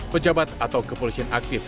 pejabat atau kepolisian aktif